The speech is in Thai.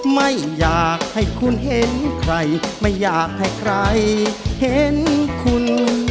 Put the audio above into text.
ไม่อยากให้คุณเห็นใครไม่อยากให้ใครเห็นคุณ